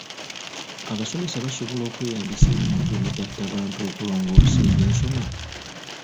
Abasomesa basobola okweyambisa emikutu emigattabantu okulongoosa eby'ensoma?